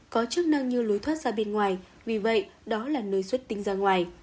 có chức năng như lối thoát ra bên ngoài vì vậy đó là nơi xuất tinh ra ngoài